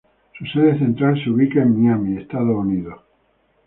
Su sede central se ubica en Miami, Estados Unidos.